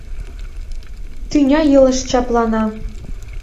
Тӱня илыш чаплана...